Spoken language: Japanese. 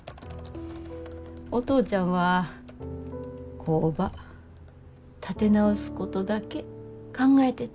お父ちゃんは工場立て直すことだけ考えてた。